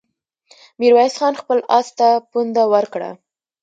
ميرويس خان خپل آس ته پونده ورکړه.